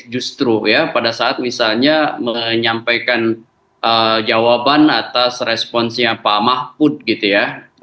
justru ya pada saat misalnya menyampaikan jawaban atas responsnya pak mahfud gitu ya